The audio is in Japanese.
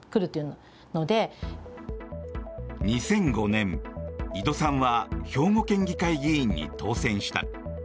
２００５年、井戸さんは兵庫県議会議員に当選した。